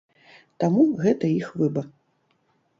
Таму гэта іх выбар.